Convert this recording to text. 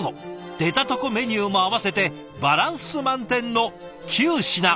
出たとこメニューも合わせてバランス満点の９品。